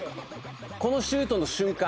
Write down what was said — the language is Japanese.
このシュートの瞬間